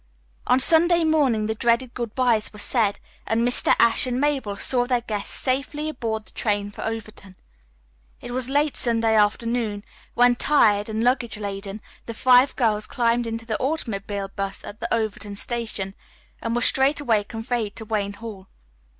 On Sunday morning the dreaded good byes were said and Mr. Ashe and Mabel saw their guests safely aboard the train for Overton. It was late Sunday afternoon when, tired and luggage laden, the five girls climbed into the automobile bus at the Overton station, and were straightway conveyed to Wayne Hall.